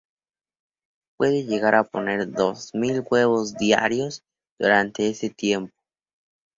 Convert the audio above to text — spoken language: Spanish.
Puede llegar a poner dos mil huevos diarios durante ese tiempo.